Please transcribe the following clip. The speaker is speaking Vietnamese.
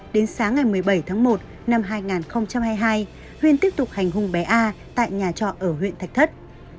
đến sáng ngày một mươi bảy tháng một năm hai nghìn hai mươi hai huyên tiếp tục hành hung bé a tại nhà trọ ở huyện thạch thất